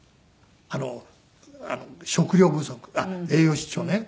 あの食料不足栄養失調ね。